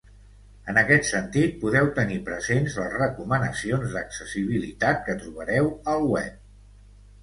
En aquest sentit, podeu tenir presents les recomanacions d'accessibilitat que trobareu al web.